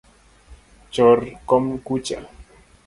Chor kom kucha